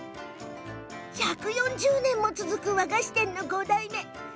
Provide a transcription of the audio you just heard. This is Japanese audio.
１４０年続く和菓子店の５代目。